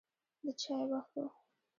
د چای وخت و.